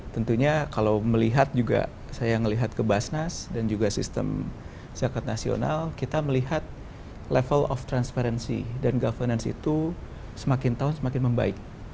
tentunya kalau melihat juga saya melihat ke basnas dan juga sistem zakat nasional kita melihat level of transparency dan governance itu semakin tahun semakin membaik